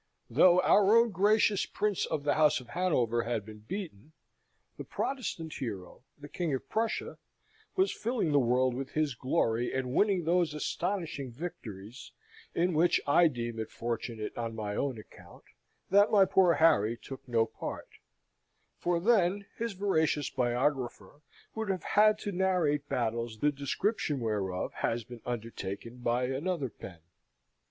Though our own gracious Prince of the house of Hanover had been beaten, the Protestant Hero, the King of Prussia, was filling the world with his glory, and winning those astonishing victories in which I deem it fortunate on my own account that my poor Harry took no part; for then his veracious biographer would have had to narrate battles the description whereof has been undertaken by another pen.